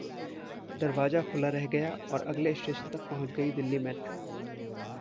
दरवाजा खुला रह गया और अगले स्टेशन तक पहुंच गई दिल्ली मेट्रो